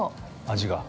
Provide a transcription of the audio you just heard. ◆味が。